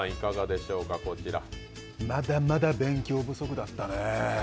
まだまだ勉強不足だったねぇ。